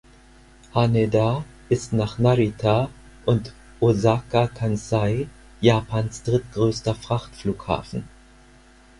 Haneda ist nach Narita und Osaka-Kansai Japans drittgrößter Frachtflughafen.